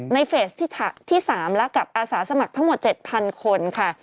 เฟสที่๓และกับอาสาสมัครทั้งหมด๗๐๐คนค่ะ